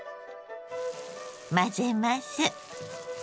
混ぜます。